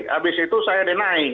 habis itu saya deny